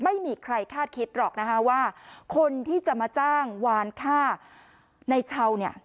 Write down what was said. ไม่มีใครคาดคิดหรอกนะคะว่าคนที่จะมาจ้างวานฆ่าในเช้าเนี่ย